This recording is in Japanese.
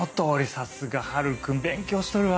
さすがハル君勉強しとるわ。